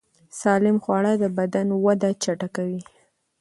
سالم خواړه د بدن وده چټکوي.